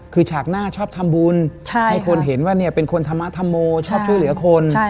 คือฉากหน้าชอบทำบุญให้คนเห็นว่าเป็นคนธรรมธรรโมชอบช่วยเหลือคน